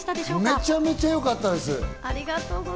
めちゃめちゃよかったです。